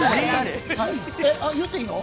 言っていいの？